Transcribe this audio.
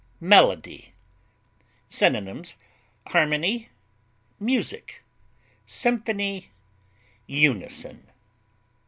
MELODY. Synonyms: harmony, music, symphony, unison.